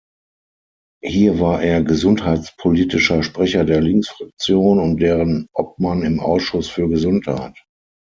Hier war er gesundheitspolitischer Sprecher der Linksfraktion und deren Obmann im Ausschuss für Gesundheit.